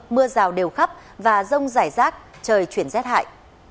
mưa rào đều khắp và rông rải rác trời chuyển rét hại